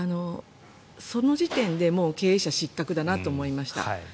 その時点で、もう経営者失格だなと思いました。